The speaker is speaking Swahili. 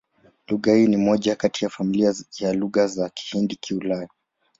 Lugha hii ni moja kati ya familia ya Lugha za Kihindi-Kiulaya.